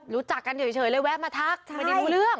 รู้จักกันเฉยเลยแวะมาทักไม่ได้รู้เรื่อง